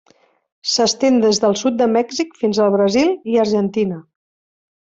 S'estén des del sud de Mèxic fins al Brasil i Argentina.